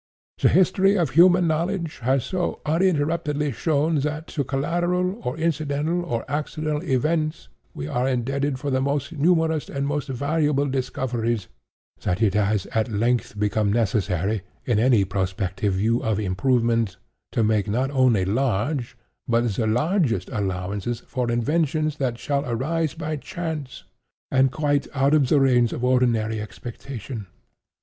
The history of human knowledge has so uninterruptedly shown that to collateral, or incidental, or accidental events we are indebted for the most numerous and most valuable discoveries, that it has at length become necessary, in any prospective view of improvement, to make not only large, but the largest allowances for inventions that shall arise by chance, and quite out of the range of ordinary expectation.